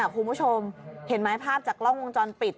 คุณผู้ชมเห็นไหมภาพจากกล้องวงจรปิด